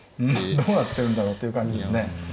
どうなってるんだろうっていう感じですね。